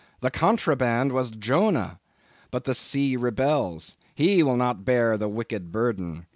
the contraband was Jonah. But the sea rebels; he will not bear the wicked burden.